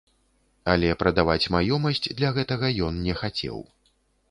Але прадаваць маёмасць для гэтага ён не хацеў.